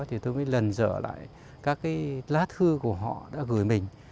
thì tôi mới lần dở lại các cái lá thư của họ đã gửi mình